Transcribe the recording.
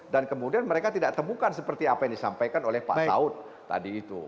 kemudian mereka tidak temukan seperti apa yang disampaikan oleh pak saud tadi itu